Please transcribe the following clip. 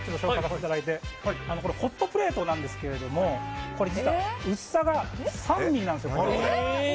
ホットプレートなんですけど実は薄さが３ｍｍなんです。